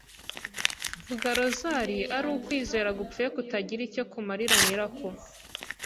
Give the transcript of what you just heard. mvuga Rozari ari ukwizera gupfuye kutagira icyo kumarira nyirako.